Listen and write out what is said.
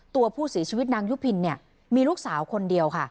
ตัวผู้เสียชีวิตนางยุพินมีลูกสาวคนเดียวค่ะ